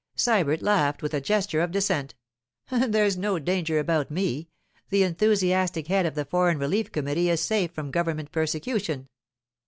Sybert laughed, with a gesture of dissent. 'There's no danger about me. The enthusiastic head of the Foreign Relief Committee is safe from government persecution.